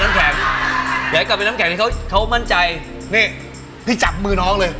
นี่พี่จับมือน้องเลย